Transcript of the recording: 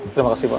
terima kasih pak